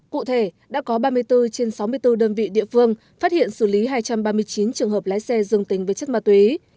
cụ thể đã có ba mươi bốn trên sáu mươi bốn đơn vị địa phương phát hiện xử lý hai trăm ba mươi chín trường hợp lái xe dương tính với chất ma túy